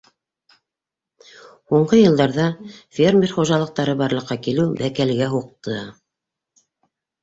Һуңғы йылдарҙа фермер хужалыҡтары барлыҡҡа килеү бәкәлгә һуҡты!